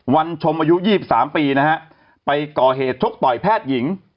วันชมอายุ๒๓ปีนะฮะไปก่อเหตุชกต่อยแพทย์หญิง